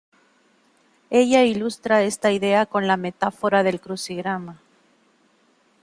Ella ilustra esta idea con la metáfora del crucigrama.